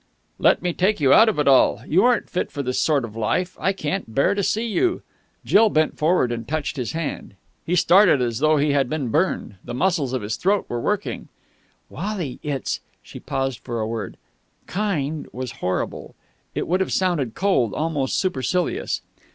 "Let me take you out of it all! You aren't fit for this sort of life. I can't bear to see you...." Jill bent forward and touched his hand. He started as though he had been burned. The muscles of his throat were working. "Wally, it's " She paused for a word. "Kind" was horrible. It would have sounded cold, almost supercilious.